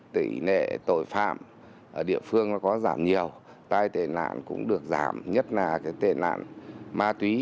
tỷ lệ tội phạm ở địa phương có giảm nhiều tai tệ nạn cũng được giảm nhất là cái tệ nạn ma túy